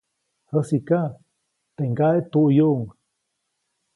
Jäsiʼka, teʼ ŋgaʼe tuʼyuʼuŋ.